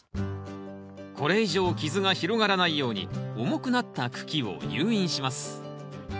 これ以上傷が広がらないように重くなった茎を誘引します